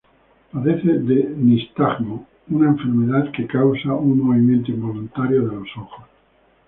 Padece de nistagmo, una enfermedad que causa un movimiento involuntario de los ojos.